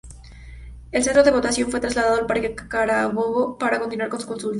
El centro de votación fue trasladado a Parque Carabobo para continuar con la consulta.